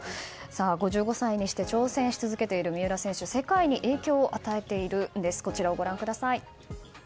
５５歳にして挑戦し続けている三浦選手世界に影響を与えているんです。